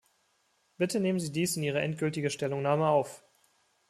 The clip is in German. Bitte nehmen Sie dies in Ihre endgültige Stellungnahme auf.